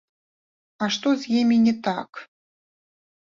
А што з імі не так?